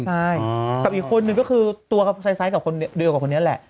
ใช่กับอีกคนนึงก็คือตัวซ้ายเดียวกับคนนี้แหละ